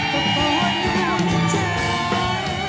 ก็ก่อนอย่างเจ้า